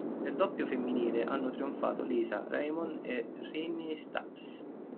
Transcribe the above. Nel doppio femminile hanno trionfato Lisa Raymond e Rennae Stubbs.